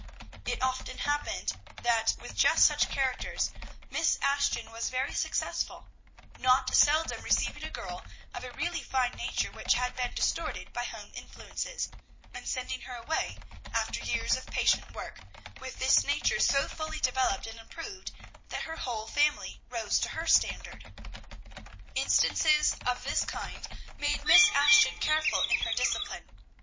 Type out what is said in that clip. It often happened that with just such characters Miss Ashton was very successful, not seldom receiving a girl of a really fine nature which had been distorted by home influences, and sending her away, after years of patient work, with this nature so fully developed and improved that her whole family rose to her standard. Instances of this kind made Miss Ashton careful in her discipline.